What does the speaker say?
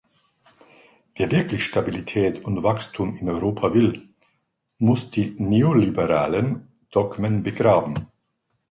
Wer wirklich Stabilität und Wachstum in Europa will, muss die neoliberalen Dogmen begraben.